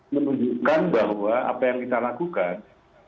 menunjukkan bahwa apa yang kita lakukan